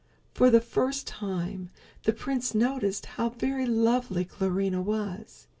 For the first time the prince noticed how very lovely Clarinha was.